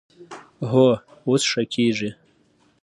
هو، اوس ښه کیږي